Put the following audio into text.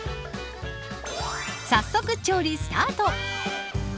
早速、調理スタート。